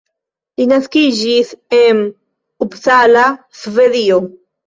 Li naskiĝis en Uppsala, Svedio.